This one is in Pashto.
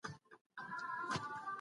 آیا تاسي د مابینځ لاره غواړئ؟